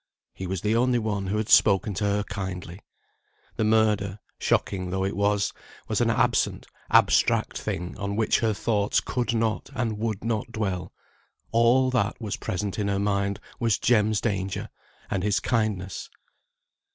He was the only one who had spoken to her kindly. The murder, shocking though it was, was an absent, abstract thing, on which her thoughts could not, and would not dwell; all that was present in her mind was Jem's danger, and his kindness.